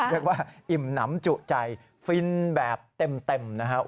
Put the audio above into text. เรียกว่าอิ่มน้ำจุใจฟินแบบเต็มนะฮะ